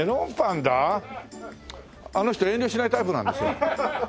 あの人遠慮しないタイプなんですよ。